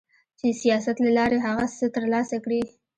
چي د سياست له لارې هغه څه ترلاسه کړي